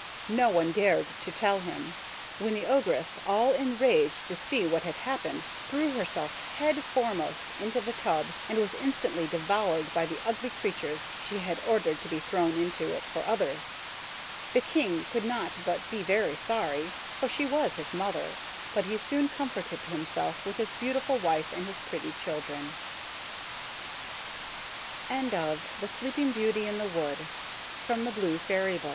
No one dared to tell him, when the Ogress, all enraged to see what had happened, threw herself head foremost into the tub, and was instantly devoured by the ugly creatures she had ordered to be thrown into it for others. The King could not but be very sorry, for she was his mother; but he soon comforted himself with his beautiful wife and his pretty children. CINDERELLA, OR THE LITTLE GLASS SLIPPER Once there was a gentlema